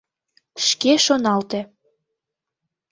Шке шоналте.